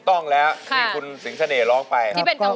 ต้องต้องร้องไว้